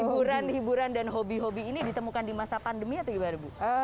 hiburan hiburan dan hobi hobi ini ditemukan di masa pandemi atau gimana bu